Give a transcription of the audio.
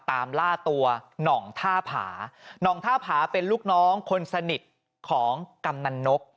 ตามล่าตัวหน่องท่าผาหน่องท่าผาเป็นลูกน้องคนสนิทของกำนันนก